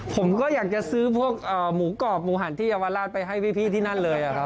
ผมก็อยากจะซื้อพวกหมูกรอบหมูหันที่เยาวราชไปให้พี่ที่นั่นเลยครับ